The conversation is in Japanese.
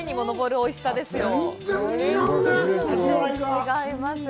違います。